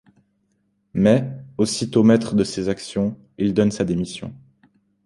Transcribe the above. Mais, aussitôt maître de ses actions, il donne sa démission.